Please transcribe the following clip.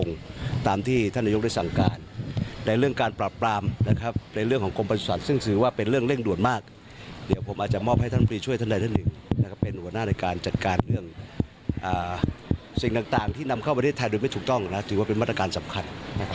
สิ่งต่างที่นำเข้าประเทศไทยโดยไม่ถูกต้องนะถือว่าเป็นมาตรการสำคัญ